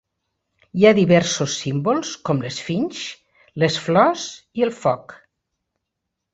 Hi ha diversos símbols, com l"esfinx, les flors i el foc.